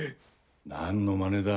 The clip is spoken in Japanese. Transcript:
何のまねだ。